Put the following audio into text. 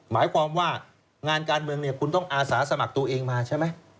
หมายความว่างานการเมืองเนี่ยคุณต้องอาสาสมัครตัวเองมาใช่ไหม